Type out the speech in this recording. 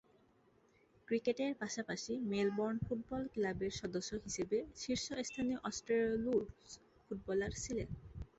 ক্রিকেটের পাশাপাশি Melbourne football ক্লাবের সদস্য হিসেবে শীর্ষস্থানীয় অস্ট্রেলীয় রুলস ফুটবলার ছিলেন।